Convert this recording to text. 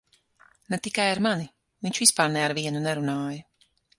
Ne tikai ar mani - viņš vispār ne ar vienu nerunāja.